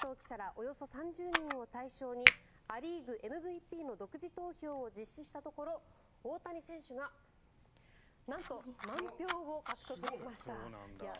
およそ３０人を対象にア・リーグＭＶＰの独自投票を実施したところ大谷選手がなんと満票を獲得しました。